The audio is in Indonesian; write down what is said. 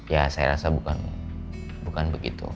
ya saya rasa bukan begitu